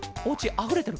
あふれてる。